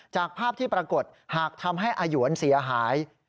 จากภาพที่ปรากฏหากทำให้อาหยวนเสียหาย